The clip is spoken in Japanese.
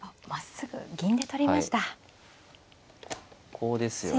ここですよね。